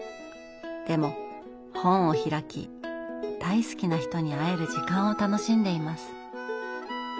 でも本を開き大好きな人に会える時間を楽しんでいます。